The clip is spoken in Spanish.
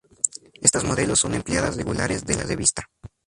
Estas modelos son empleadas regulares de la revista.